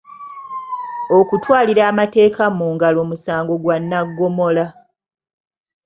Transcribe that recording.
Okutwalira amateeka mu ngalo musango gwa naggomola.